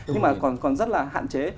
nhưng mà còn rất là hạn chế